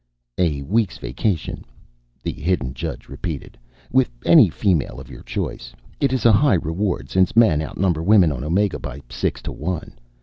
"A week's vacation," the hidden judge repeated, "with any female of your choice. It is a high reward, since men outnumber women on Omega by six to one.